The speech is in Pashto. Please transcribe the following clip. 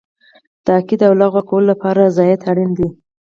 د عقد او لغوه کولو لپاره رضایت اړین دی.